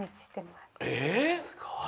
すごい。